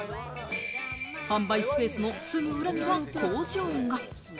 販売スペースのすぐ裏には工場が。